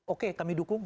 oke kami dukung